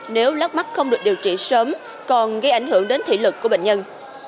nếu lát mắt không được điều trị sớm còn gây ảnh hưởng đến thể lực của bệnh nhân